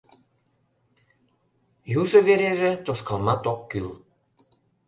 Южо вереже тошкалмат ок кӱл.